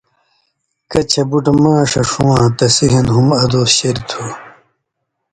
کَچھ بُٹ ماݜہ ݜُواں تسی ہِن ہُم ادُوس شریۡ تھُو۔